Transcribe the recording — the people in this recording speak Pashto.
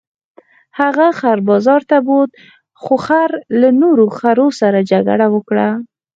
هغه خر بازار ته بوت خو خر له نورو خرو سره جګړه وکړه.